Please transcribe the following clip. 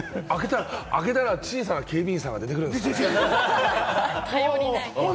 開けたら小さい警備員さんとかが出てくるんですかね？